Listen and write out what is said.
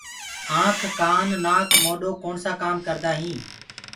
آنک ڪآن نآڪ موڏو ڪوڻسآ ڪآم ڪردآئين